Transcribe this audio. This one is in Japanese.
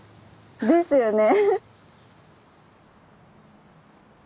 ですよね。